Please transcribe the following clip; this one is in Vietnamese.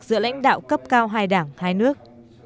giữa lãnh đạo cấp cao hai đảng hai nước